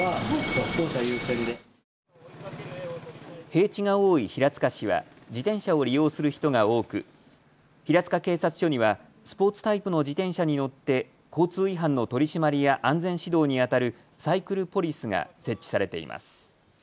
平地が多い平塚市は自転車を利用する人が多く平塚警察署にはスポーツタイプの自転車に乗って交通違反の取締りや安全指導にあたるサイクルポリスが設置されています。